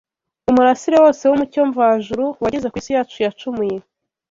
umurasire wose w’umucyo mvajuru wageze ku isi yacu yacumuye